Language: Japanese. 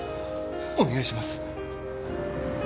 お願いします！